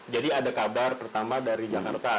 jadi ada kabar pertama dari jakarta